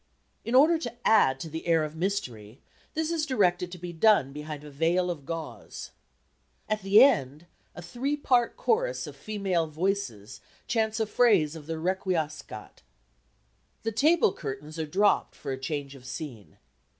In order to add to the air of mystery this is directed to be done behind a veil of gauze. At the end, a three part chorus of female voices chants a phrase of the Requiescat. The tableaux curtains are dropped for a change of scene.